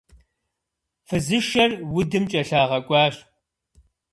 Фызышэр удым кӀэлъагъэкӀуащ.